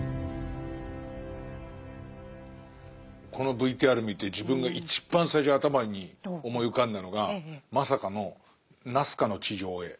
このＶＴＲ見て自分が一番最初に頭に思い浮かんだのがまさかのナスカの地上絵。